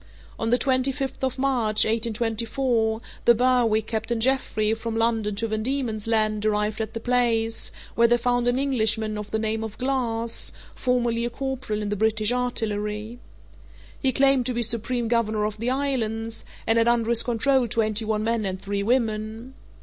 On the twenty fifth of March, 1824, the Berwick, Captain Jeffrey, from London to Van Diemen's Land, arrived at the place, where they found an Englishman of the name of Glass, formerly a corporal in the British artillery. He claimed to be supreme governor of the islands, and had under his control twenty one men and three women.